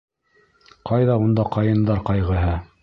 Ҡайҙа унда ҡайындар ҡайғыһы!